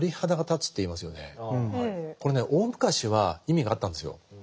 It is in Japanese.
これね大昔は意味があったんですよ。